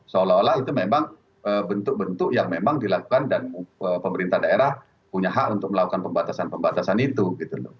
seolah olah itu memang bentuk bentuk yang memang dilakukan dan pemerintah daerah punya hak untuk melakukan pembatasan pembatasan itu gitu loh